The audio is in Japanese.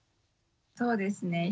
そうですね。